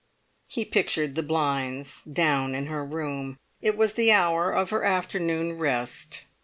He pictured the blinds down in her room; it was the hour of her afternoon rest.